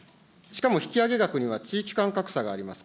しかも引き上げ額には地域間格差があります。